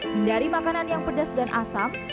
hindari makanan yang pedas dan asam